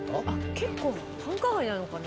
結構繁華街なのかな？